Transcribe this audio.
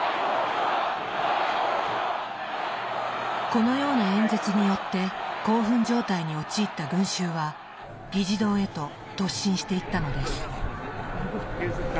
このような演説によって興奮状態に陥った群衆は議事堂へと突進していったのです。